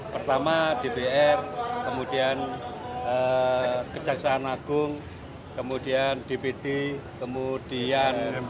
pertama dpr kemudian kejaksaan agung kemudian dpd kemudian